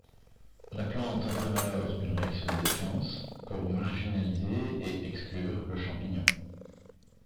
La plante entame alors une réaction de défense pour marginaliser et exclure le champignon.